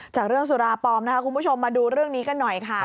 จากเรื่องสุราปลอมนะคะคุณผู้ชมมาดูเรื่องนี้กันหน่อยค่ะ